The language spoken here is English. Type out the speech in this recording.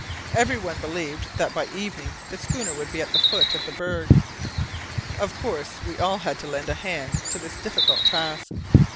Everyone believed that by evening the schooner would be at the foot of the berg. Of course we had all to lend a hand to this difficult task.